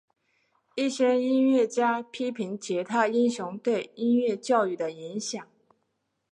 一些音乐家批评吉他英雄对音乐教育的影响。